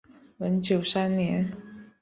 文久三年。